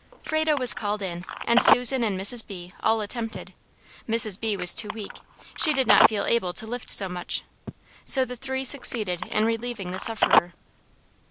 Frado was called in, and Susan and Mrs. B. all attempted; Mrs. B. was too weak; she did not feel able to lift so much. So the three succeeded in relieving the sufferer.